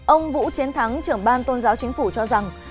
ông vũ chiến thắng trưởng ban tôn giáo chính phủ cho rằng